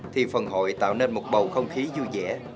thì phần hội tạo nên một bầu không khí vui vẻ